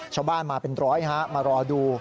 ชาวบ้านมาเป็นร้อยฮะมารอดู